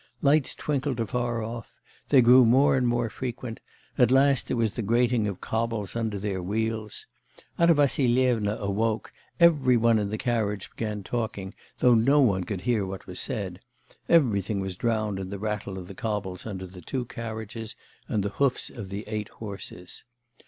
Lights twinkled afar off; they grew more and more frequent; at last there was the grating of the cobbles under their wheels. Anna Vassilyevna awoke, every one in the carriage began talking, though no one could hear what was said; everything was drowned in the rattle of the cobbles under the two carriages, and the hoofs of the eight horses.